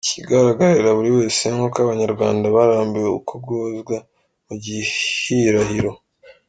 Ikigaragararira buri wese ni uko Abanyarwanda barambiwe uku guhozwa mu gihirahiro.